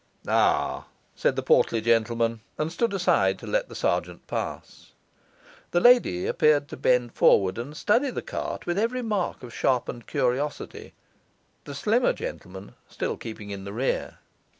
'Ah!' said the portly gentleman, and stood aside to let the sergeant pass. The lady appeared to bend forward and study the cart with every mark of sharpened curiosity, the slimmer gentleman still keeping in the rear.